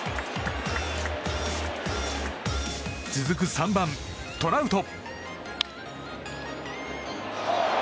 続く３番、トラウト。